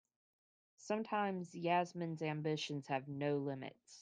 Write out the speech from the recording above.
Sometimes Yasmin's ambitions have no limits.